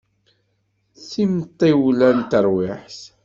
D timṭiwla n terwiḥt.